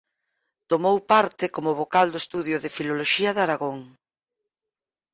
Tomou parte como vocal do Estudio de Filoloxía de Aragón.